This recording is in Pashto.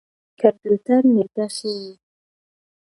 کمپيوټر نېټه ښيي.